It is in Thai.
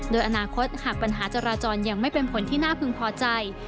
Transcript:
โดยอนาคตหากปัญหาจราจรยังไม่เป็นผลที่น่าพึงพอใจ